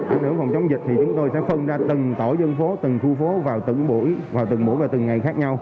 ảnh hưởng phòng chống dịch thì chúng tôi sẽ phân ra từng tổ dân phố từng khu phố vào từng buổi và từng ngày khác nhau